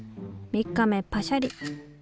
３日目パシャリ。